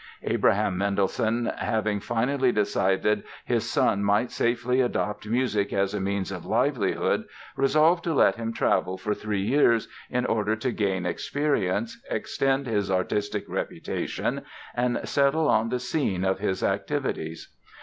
Abraham Mendelssohn having finally decided his son might safely adopt music as a means of livelihood resolved to let him travel for three years in order to gain experience, extend his artistic reputation and settle on the scene of his activities.